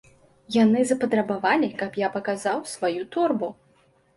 Яны запатрабавалі, каб я паказаў сваю торбу.